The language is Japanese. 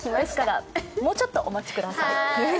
もうちょっとお待ちください。